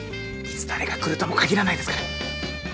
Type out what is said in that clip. いつ誰が来るとも限らないですから。